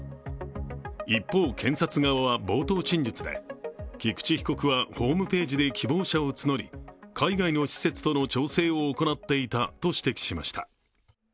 一方、検察側は冒頭陳述で菊池被告はホームページで希望者を募り海外の施設との調整を行っていたと指摘しました。